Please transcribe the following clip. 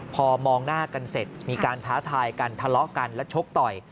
พอมองหน้ากันเสร็จมีการท้าทายกันทะเลาะกันและชกต่อย